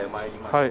はい。